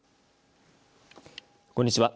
こんにちは。